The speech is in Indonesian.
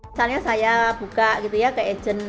misalnya saya buka gitu ya ke agent